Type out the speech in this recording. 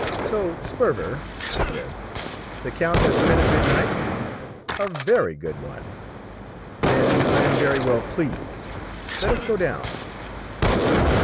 "So, Sperver," I said, "the count has spent a good night?" "A very good one." "Then I am very well pleased. Let us go down."